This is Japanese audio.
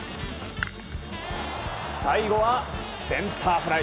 最後は、センターフライ。